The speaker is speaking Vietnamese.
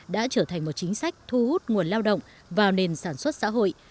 đã trở thành một chính sách thu hút nguồn lao động vào nền sản xuất xã hội